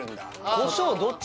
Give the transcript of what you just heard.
こしょうどっち？